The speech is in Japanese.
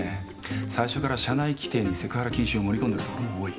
最初から社内規定にセクハラ禁止を盛り込んでるとこも多い。